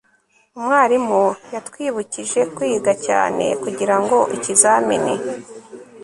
umwarimu yatwibukije kwiga cyane kugirango ikizamini